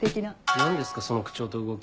何ですかその口調と動き。